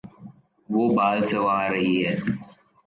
وہ بال سنوار رہی ہے